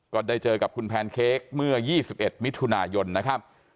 ก็ได้เจอกับคุณแพนเค้กเมื่อ๒๑มิถุนายนนะครับ